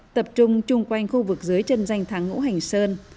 tập trung chung quanh khu vực dưới chân danh tháng ngũ hành sơn